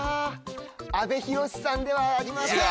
阿部寛さんではありません。